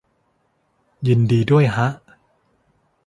ยินดีด้วยฮะ